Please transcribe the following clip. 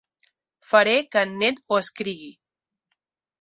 Faré que en Ned ho escrigui.